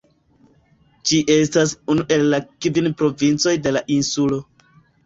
Ĝi estas unu el la kvin provincoj de la insulo.